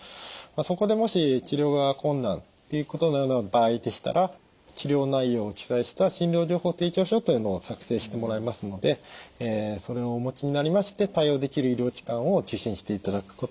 そこでもし治療が困難っていうことのような場合でしたら治療内容を記載した診療情報提供書というのを作成してもらえますのでそれをお持ちになりまして対応できる医療機関を受診していただくことがいいと思います。